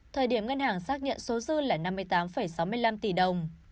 thời điểm ngân hàng xác nhận số dư là năm mươi tám sáu mươi năm tỷ đồng